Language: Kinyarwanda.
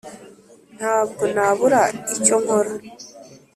nta bwo nabura icyonkora